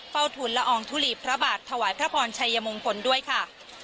ทุนละอองทุลีพระบาทถวายพระพรชัยมงคลด้วยค่ะ